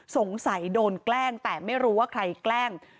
สงสัยโดนแกล้งแต่ไม่รู้ว่าใครแกล้ง